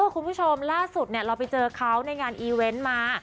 คุณผู้ชมล่าสุดเราไปเจอเขาในงานอีเวนต์มา